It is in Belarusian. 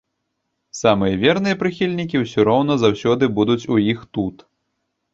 Самыя верныя прыхільнікі ўсё роўна заўсёды будуць у іх тут.